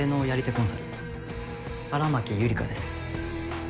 コンサル荒牧ゆりかです